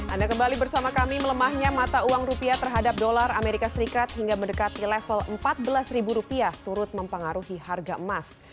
anda kembali bersama kami melemahnya mata uang rupiah terhadap dolar amerika serikat hingga mendekati level empat belas rupiah turut mempengaruhi harga emas